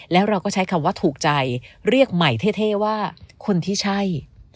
แล้วเราก็ใช้คำว่าถูกใจเรียกใหม่เท่ว่าคนที่ใช่